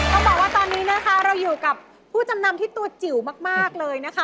ต้องบอกว่าตอนนี้นะคะเราอยู่กับผู้จำนำที่ตัวจิ๋วมากเลยนะคะ